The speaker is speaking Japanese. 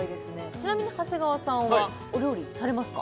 ちなみに長谷川さんはお料理されますか？